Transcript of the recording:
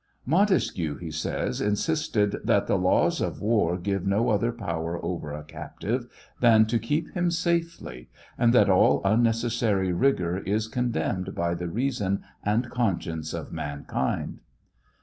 " Montesquieu" 764 TRIAL OF HENRY WIEZ. he says, " insisted that the laws of war give no other power over a captive than to keep him safely, and that all unnecessary rigor is condemned by the reason and conscience of mankind."